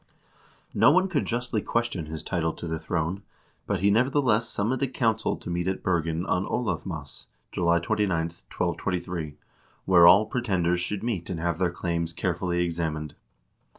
No one could justly question his title to the throne, but he, nevertheless, summoned a council to meet at Bergen on Olavmas, July 29, 1223, where all pretenders should meet and have their claims carefully examined.